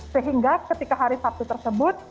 sehingga ketika hari sabtu tersebut